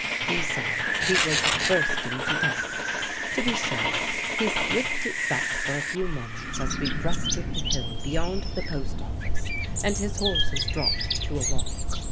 Besides, he was bursting to talk. To be sure, he slipped it back for a few moments as we breasted the hill beyond the post office and his horses dropped to a walk.